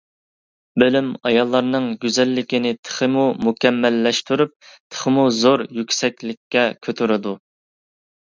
بىلىم ئاياللارنىڭ گۈزەللىكىنى تېخىمۇ مۇكەممەللەشتۈرۈپ، تېخىمۇ زور يۈكسەكلىككە كۆتۈرىدۇ.